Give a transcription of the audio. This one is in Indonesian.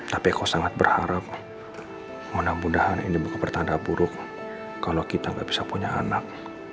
tapi kau sangat berharap mudah mudahan ini bukan pertanda buruk kalau kita nggak bisa punya anak